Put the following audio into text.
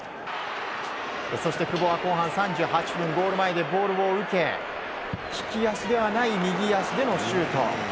そして、久保は後半３８分ゴール前でボールを受け利き足ではない右足でのシュート。